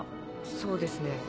そうですね